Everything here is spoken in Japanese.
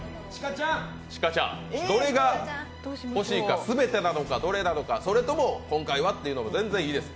智加ちゃん！どれが欲しいのか全てなのか、どれなのか、それとも今回はっていうのも全然いいです。